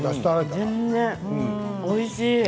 おいしい。